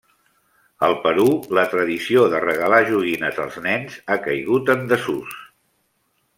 Al Perú la tradició de regalar joguines als nens ha caigut en desús.